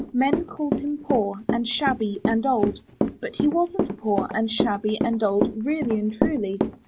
Men called him poor, and shabby, and old, but he wasn't poor, and shabby, and old, really and truly.